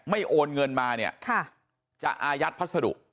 โอนเงินมาเนี่ยจะอายัดพัสดุ